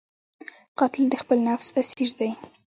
قاتل د خپل نفس اسیر دی